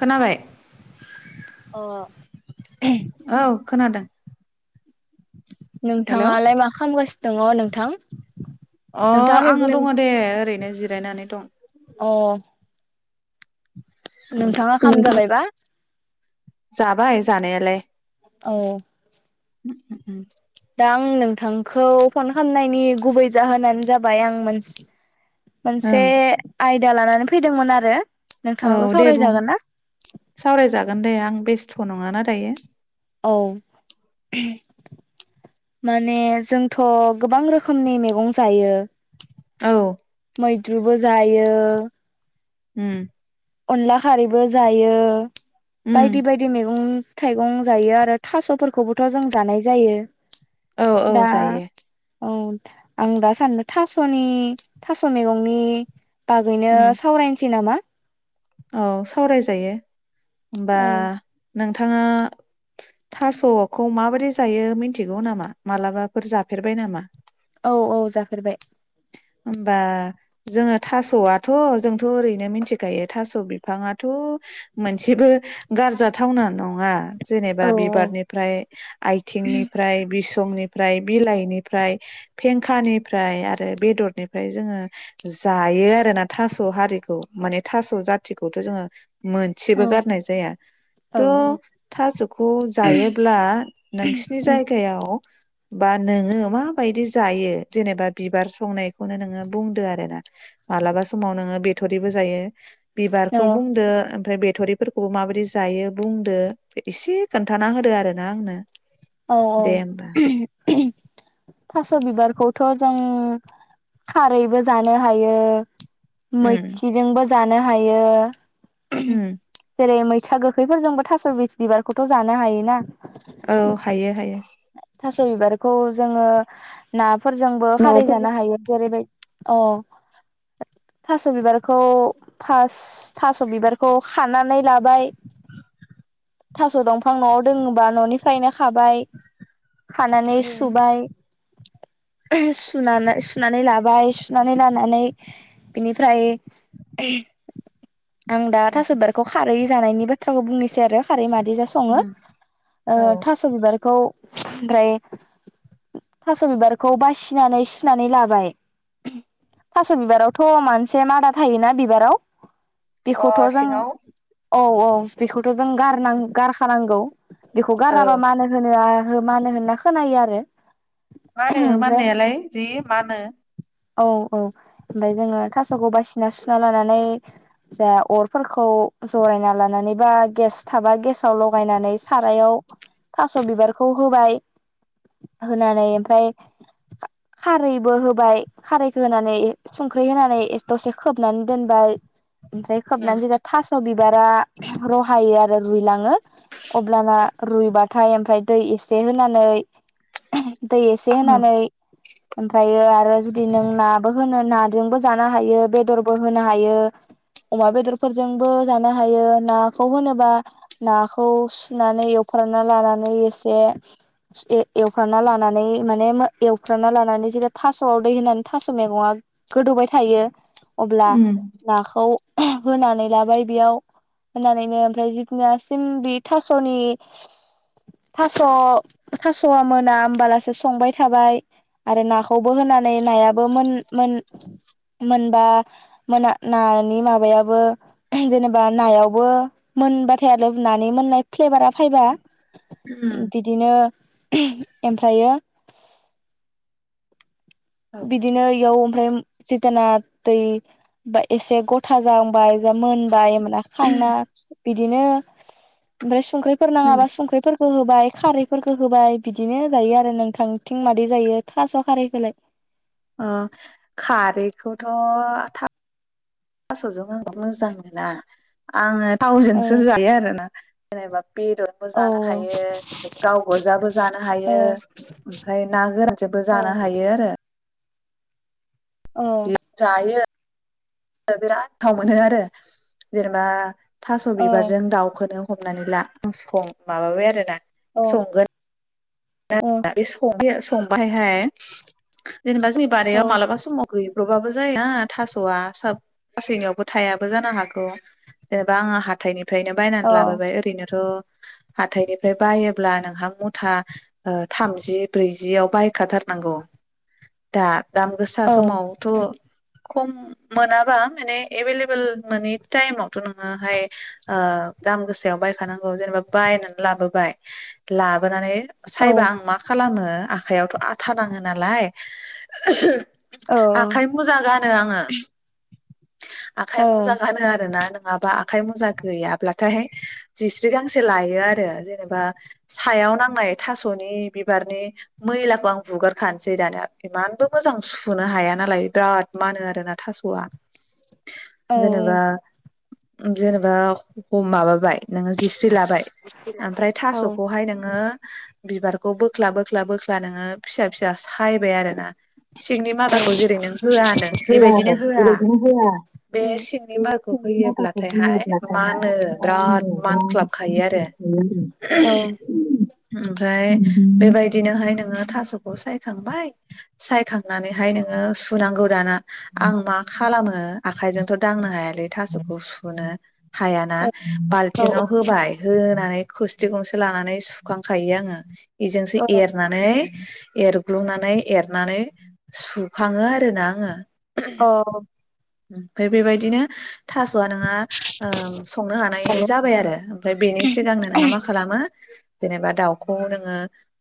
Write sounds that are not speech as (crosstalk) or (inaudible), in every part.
खोनाबाय अ औ खोनादों हेलौ नोंथाङालाय मा खामगासिनो दङ नोंथां? अ नोंथाङा आंनि आङो दङ बुंनायखो दे ओरैनो जिरायनानै दं। अ नोंथाङा खाम जाबायबा? जाबाय जानायालाय औ उम दा आं नोंथांखौ फन खालामनायनि गुबै जाहोनानो जाबाय आं मोनसे मोनसे ओं आय दा लानानै फैदोंमोन आरो औ नोंथाङाबो दे बुं सावरायजागोन ना सावरायजागोन दे आं बेस्थ' थ' नङाना दायो। औ माने जोंथ' गोबां रोखोमनि मैगं जायो। औ मैद्रुबो जायो ओम अनला खारैबो जायो उम बायदि बायदि मैगं थाइगं जायो आरो थास'फोरखौबोथ' जों जानाय जायो औ औ दा जायो औ आं दा साननो थास'नि थास' मैगंनि बागैनो उम सावरायनोसै नामा औ सावरायजायो ओमबा नों नोंथाङा थास'खौ माबोरै जायो मिथिगौ नामा मालाबाफोर जाफेरबाय नामा औ औ जाफेरबाय होमबा जोङो थास'आथ' जोंथ' ओरैनो मिथिखायो थास' बिफाङाथ' मोनसेबो गारजााथावना नङा जेनेबा औ बिबारनिफ्राय आथिंनिफ्राय बिस दंनिफ्राय बिलाइनिफ्राय फेंखानिफ्राय आरो बेदर बेनिफ्राय जोङो जायो आरोना थास' हारिखौ माने थास' जाथिखौथ' जोङो औ मोनसेबो गारनाय जाया थ' थास'खौ जायोब्ला नोंसिनि जायगायाव बा नोङो माबायदि जायो जेनेबा बिबार संनाय बेखौनो नोङो बुंदो आरो ना मालाबा समाव नोङो बेथ'रिबो जायो औ बिबारखौ बुंदो ओमफ्राय बे बिथ'रिफोरखौबो माबोरै जायो बुंदो एसे खोन्थाना होदो आर ना आंनो औ दे होमबा औ थास' बिबारखौथ' जों खारैबो जानो हायो उम मैखिजोंबो जानो हायो उम जेरै मैथा गोखैफोरजोंबो थास' बि बिबारखौथ' जानो हाय ना औ हायो हायो थास' बिबारखौ जोङो ना फोरजोंबो खारै माबाफोरबो जानो हायो जेरैबायदि अ थास' बिबारखौ फास्ट थास' बिबारखौ खानानै लाबाय थास' दंफां न'आव रोङोबा न'निफ्रायनो खाबाय खानानै उम सुबाय सुनानै सुनानै लाबाय सुनानै लानानै बिनिफ्राय आं दा थास' बिबारखौ खारै जानायनि बाथ्राखौ बुंनोसै आरो खारै माद जा सङो उम ओ औ थास' बिबारखौ ओमफ्राय थास' बिबारखौ बासिनानै सिनानै लाबाय थास' बिबारावथ' मानसे मादा थायोना बिबाराव अ बेखौथ' जों सिङाव औ औ बेखौथ' जों गारनां गारखानांगौ बेखौ गाराबा औ मानो होनो आ हो मानो होनना खोनायो आरो मानो ओमफ्राय माननायालाय जि मानो औ औ ओमफ्राय जोङो थास'खौ बासिना सुना लानानै जा अरफोरखौ जरायना लानानै बा गेस थाबा गेसावल' बायनानै सारायाव थास' बिबार खौ होबाय होनानै ओमफ्राय खारैबो होबाय खारैखौ होनानै संख्रि होनानै दसे खोबनानै दोनबाय ओमफ्राय खोबनानै जे थास' बिबारा रहायो आरो रुइलाङो अब्लाना रुइबा थाय ओमफ्राय दै एसे होनानै दै एसे औ होनानै ओमफ्रायो आरो जुदि नों नाबो होनो नाजोंबो जानो हायो बेदरबो होनो हायो अमा बेदरफोरजोंबो जानो हायो नाखौ होनोबा नाखौ सुनानै एवफ्राना लानानै एस से एवफ्रानना लानानै माने एवफ्रानना लानानै जे थास'आव दै होनानै थास' मैगङा गोदौबाय थायो अब्ला उम नाखौ होनानै लाबाय बेयाव होनानैनो ओमफ्राय जिदिना सिम बि थास'नि थास' थास'आ मोना होमबालासो संबाय थाबाय आरो नाखौबो होनानै नायाबो मोन मोन मोनबा मोना नानि माबायाबो जेनेबा नायावबो मोनबाथाय आरो नानि मोननाय फ्लेभारा फाइबा उम बिदिनो ओमफ्रायो औ बिदिनो याव ओमफ्राय जि दिना दै बा एसे गथा जाहांबाय (unintelligible) मोनबाय होमबाना खांना बिदिनो ओमफ्राय संख्रिफोर उम नाङाबा संख्रिफोरखौ होबाय खारैफोरखौ होबाय बिदिनो जायो आरो नोंथांथिं मादै जायो थास' खारैखोलाय अ खारैखौथ थासजों आं मोजां मोना आङो थावजोंसो होआ जायो आरोना। (unintelligible) बेदरबो जानो आरो हायो गावगोजाबो जानो हायो ओमफ्राय ना गोरानजोंबो जानो हायो आरो। (unintelligible) जायो बिराद गोथाव मोनो आरो जेनेबा थास बिबारजों दाउखोदों हमनानै ला नों सं माबाबाय आरोना संगोन (unintelligible) संबाय फाय जेनेबा जोंनि बारियाव मालाबा समाव गैब्रबाबो जाया थासआ साब गासैनियावबो थायाबो जानो हागौ जेनेबा आं हाथायनि फ्रायनो बायनानै लाबोबाय ओरैनोथ हाथायनिफ्राय बायोब्ला नोंहा मुथा ओ थामजि ब्रैजियाव बायखाथारनांगौ दा। दाम गोसा समावथ खम मोनाबा माने एभेलेबल मोनै टाइमावथ नोङोहाय ओ दाम गोसायाव बायखानांगौ जेनेबा बायनानै लाबोबाय लाबोनानै सायबा आं मा खालामो आखाइयावथ आथा नाङो नालाय आखाइ मुजा गानो आङो आखाइ मुजा गानो आरोना नों माबा आखाइ मुजा गैयाब्लाथाय जिस्रि गांसे लायो आरो जेनेबा सायाव नांनाय थासनि बिबारनि मैलाखौ आं हुगारखानोसै दानिया इमानबो मोजां सुनो हाया नालाय बिराद मानो आरोना थासआ। जेनेबा जेनेबा ह माबाबाय नोङो जिस्रि लाबाय ओमफ्राय थासखौहाय नोङो बिबारखौ बोख्ला बोख्ला बोख्ला नोङो फिसा फिसा सायबाय आरोना सिंनि मादाखौ जेरै नों होआ होनदों बेबायदिनो होआ बे सिंनि मारखौ होयोब्लाथायहाय मानो बिराद मानख्लाबखायो आरो (unintelligible) फाय बेबायदिनोहाय नोङो थासखौ सायखांबाय सायखां नानैहाय नोङो सुनांगौ दाना आं मा खालामो आखाइजोंथ दांनो हायालै थासखौ सुनो हायाना औ बाल्थिंआव होबाय होनानै खोस्थि गंसे लानानै सुखांखायो आङो एजोंसो एरनानै एर एग्लुंनानै एरनानै सुखाङो आरो ना आङो अ ओमफ्राय बेबायदिनो थासआ नोंङहा संनो हानाय औ जाबाय आरो ओमफ्राय बेनि सिगांनो नोंहा मा खालामो जेनेबा दाउ। खौ नोङो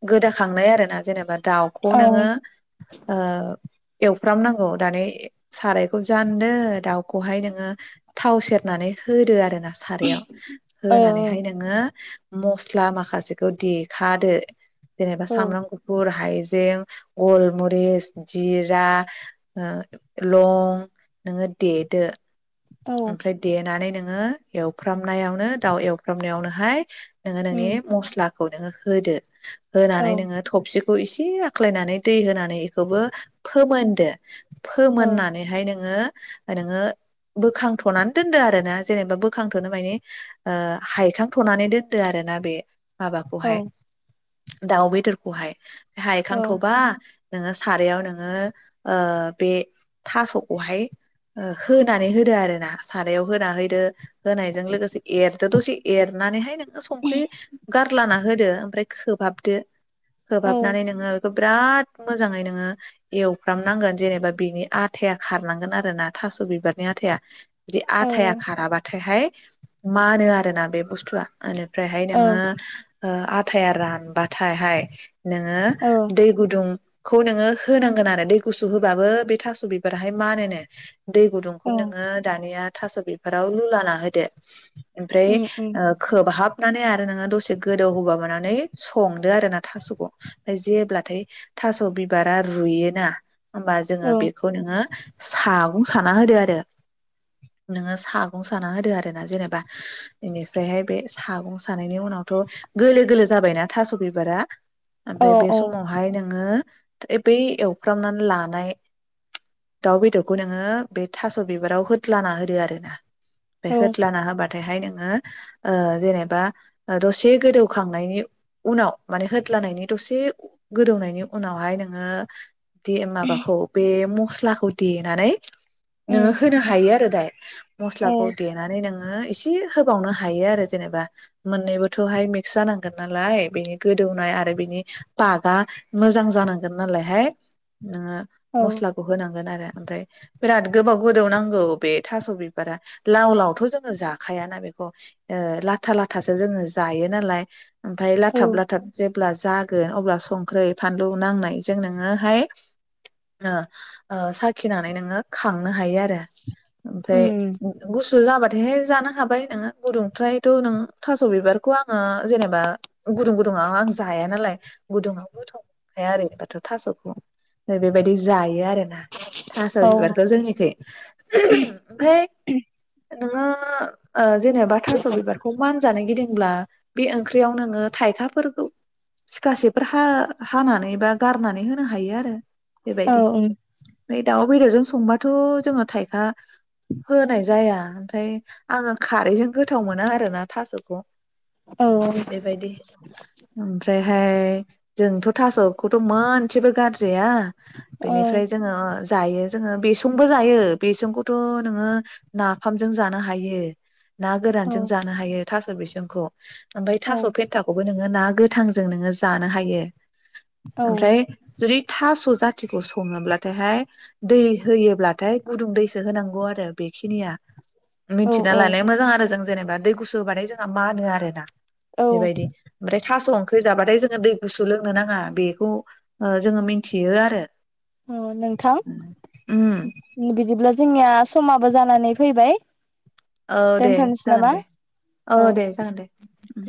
गोदाखांनाय आरो ना जेनेबा दाउखौ औ नोङो ओ एवफ्रामनांगौ दानै सारायखौ जानदो दाउखौहाय नोङो थाव सेरनानै होदो आरो। सारायाव औ होनानैहाय नोङो मस्ला माखासेखौ दे थादो जेनेबा सामब्राम गुफुर हाय जें गलमिस जिरा ओ लं नोङो देदो। ओमफ्राय देनानै नों ङो एवफ्रामनायावनो दाउ एवफ्रामनायावनोहाय नोङो नोंनि मस्ला हनो होदो। होनानै नोङो थबसिख खौ इसे आख्लायनानै दै होनानै खौबो फोमोनदो। फोमोननानैहाय नोङो नोङो बोखांथनानै दोनदो आरोना जेनेबा बोखांथनो माने ओ हायखांथनानै दोनदो आरोना बे माबाखौहाय। दाउ बेदफोरखौहाय। औ हायखांथबा नोङो सारायाव नोङो ओ बे थासखौहाय ओ होनानै होदो आरो ना सारायाव होना होदो होनायजों लोगोसे एर दसे एरनानैहाय नोङो संख्रि गारलाना होदो। ओमफ्राय खोबहाबदो। औ खोबहाबनानै नोङो बेखौ बिराद मोजाङै नोङो एवफ्रामनांगोन जेनेबा बिनि आथाया खारनांगोन आरो ना थास बिबारनि आथाया। बिदि औ आथाया खाराबाथायहाय मानो आरो ना बे बुस्थु फ्लाखोनिफ्रायहाय औ नोङो ओ आ थाया रानबाथाय हाय नोङो औ दै गुदुं खौ नोङो होनांगोन आरो दै गुसु होबाबो बे थास बिबाराहाय मानोनो दै गुदुंखौ औ नोङो दानिया थास बेफोराव लुलाना होदो ओमफ्राय उम उम ओ खोबाहाब नानै आरो नोङो दसे गोदौ होबावो ना नै संदो आरोना थासखौ जेब्लाथाय थास बिबारा रुयोना होमबा जोङो औ बेखौ नोङो सागं साना होदो आरो नोङो सागं साना होदो आरोना जेनेबा बेनिफ्रायहाय बे सागं सानायनि उनावथ गोलो गोलो जाबायना थास बिबारा औ ओमफ्राय बे औ समावहाय नोङो ए बै एवफ्रामनानै लानाय दाउ बेदरखौ नोङो बे थास बिबाराव होद्लाना होदो आरो ना बे औ होथ्लाना होबाथायहाय नों नो ओ जेनेबा दसे गोदौखांनायनि उनाव माने होद्लानायनि दसे गोदौनायनि उनावहाय नोङो बे माबाखौ बे मस्लाखौ देनानै नोङो उम होनो हायो आरो दाय औ मस्लाखौ देनानै नोङो से होबावनो हायो आरो जेनेबा मोननैबोथ' हाय मिक्स जानांगोन नालाय बिनि गोदौनाय आरो बिनि पागआ मोजां जानांगोन नालायहाय नोङो औ मस्लाखौ होनांगोन आरो ओमफ्राय बिराद गोबाव गोदौ नांगौ बे थास बिबारा लाव लावथ जोङो जाखायाना बेखौ ओ लाथा लाथासो जोङो जायो नालाय ओमफ्राय औ लाथाब लाथाब जेब अब्ला जागोन अब्ला संख्रै फानलु नांनायजों नोङो हाय ओ ओ साखिनानै नोङो खांनो हायो आरो फ्राय उम गुसुजाबा दे जानो हाबाय नोङो गुदुंफ्रायथ नों थास बिबारखौ आङो जेनेबा गुदुं गुदुङाव आं जाया नालाय गुदुंआव गोथाव मोनखाया आरोबाथ थासखौ बेबायदि जायो आरो थास औ बिबारखौ जोंनिथिं ओमफाय नोङो ओ जेनेबा थास बिबारखौ मान जानो गिदिं ब्ला बे ओंख्रियाव नोङो थाइखाफोरखौ सिखासेफोर हा हानानै बा गारनानै होनो हायो आरो औ बेबायदि उम ओमफ्राय दाउ बेदरजों संबाथ जोङो थाइखा होनाय जाया ओमफ्राय आङो खारैजों गोथाव मोना आरोना थासखौ। औ बेबायदि ओमफ्राय फाय जोंथ थासखौथ मोनसेबो गारजोब जाया औ बेनिफ्राय जोङो जायो जोङो बेसंबो जायो बेसंखौथ नोङो नाफामजों जानो हायो। ना गोरानजों जानो हायो थास बिसंखौ ओमफ्राय थास फेनथाखौबो नों ङो ना गोथांजों नोङो जानो हायो। ओमफ्राय जुदि थास जाथिखौ सङोब्लाथाय हाय दै होयोब्लाथाय गुदुं दैसो होनांगौ आरो बे खिनिया औ मिथिना लानाया मोजां आरो जों जेनेबा दै गुसु होबथाय जोंहा मानो आरोना औ औ बेबायदि ओमफ्राय थास ओंख्रि जाबाथाय जोङो दै गुसु लोंनो नाङा बेखौ ओ जोङो मिथियो आरो अ नोंथां उम बि बिदिब्ला जोंनिया समाबो जानानै फैबाय औ दे दोनथ'नोसै जागोन नामा दे औ दे जागोन दे उम